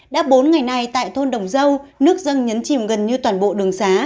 đã bốn ngày nay tại thôn đồng dâu nước dâng nhấn chìm gần như toàn bộ đường xá